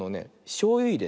しょうゆいれね